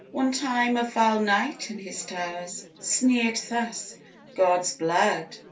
One time a foul knight in his towers Sneered thus: "God's blood!